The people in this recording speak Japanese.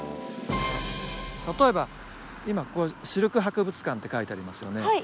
例えば今ここにシルク博物館って書いてありますよね。